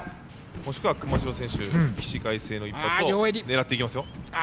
もしくは熊代選手が起死回生の一発を狙っていきますよ。